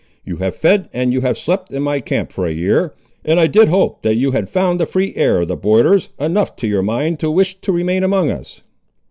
You have fed and you have slept in my camp for a year, and I did hope that you had found the free air of the borders, enough to your mind to wish to remain among us."